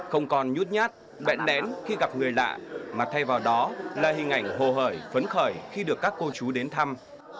không còn nhút nhát bẹn nén khi gặp người lạ mà thay vào đó là hình ảnh hồ hởi phấn khởi khi được các cô chú đến thăm